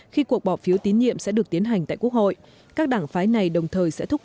khi cuộc bỏ phiếu tín nhiệm sẽ được tiến hành tại quốc hội các đảng phái này đồng thời sẽ thúc